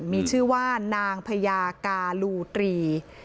มีชื่อว่านางพญากาลูตรี